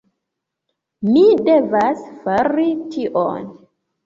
Mi devas fari tion.